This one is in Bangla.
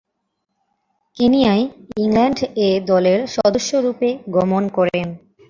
কেনিয়ায় ইংল্যান্ড এ দলের সদস্যরূপে গমন করেন।